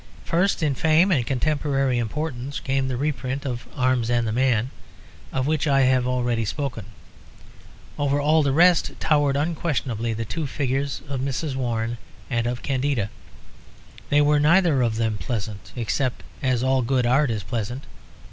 First in fame and contemporary importance came the reprint of Arms and the Man, of which I have already spoken. Over all the rest towered unquestionably the two figures of Mrs. Warren and of Candida. They were neither of them pleasant, except as all good art is pleasant.